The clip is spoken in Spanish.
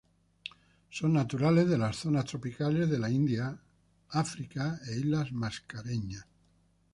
Son naturales de las zonas tropicales de India África, e Islas Mascareñas.